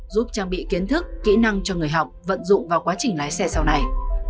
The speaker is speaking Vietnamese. giúp trang bị kiến thức kỹ năng cho người học vận dụng vào quá trình lái xe sau này